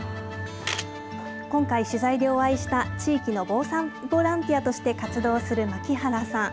今回取材でお会いした、地域の防災ボランティアとして活動する槙原さん。